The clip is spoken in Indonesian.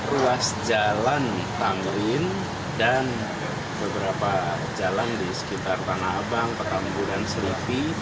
ruas jalan tamrin dan beberapa jalan di sekitar tanah abang petambu dan seripi